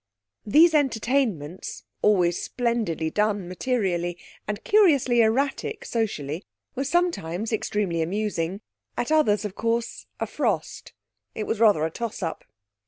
These entertainments, always splendidly done materially, and curiously erratic socially, were sometimes extremely amusing; at others, of course, a frost; it was rather a toss up.